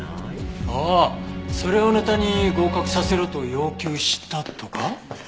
ああそれをネタに合格させろと要求したとか？